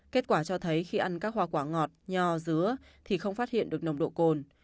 kết quả cho thấy khi ăn các hoa quả ngọt nho dứa thì không phát hiện được nồng độ cồn